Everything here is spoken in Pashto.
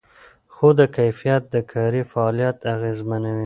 د خوب کیفیت د کاري فعالیت اغېزمنوي.